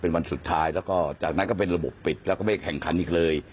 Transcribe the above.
เป็นวันสุดท้ายแล้วก็จากนั้นก็เป็นระบบปิดแล้วก็ไม่แข่งขันอีกเลย